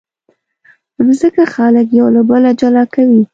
مځکه خلک یو له بله جلا کوي.